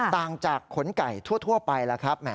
ต่างจากขนไก่ทั่วไปแล้วครับ